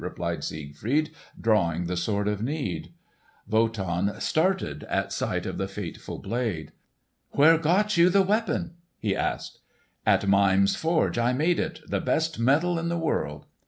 replied Siegfried, drawing the Sword of Need. Wotan started at sight of the fateful blade. "Where got you the weapon?" he asked. "At Mime's forge I made it—the best metal in the world!"